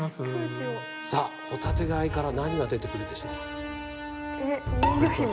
さあホタテ貝から何が出てくるでしょうか？